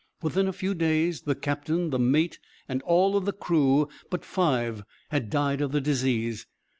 Within a few days the captain, the mate, and all of the crew but five had died of the disease.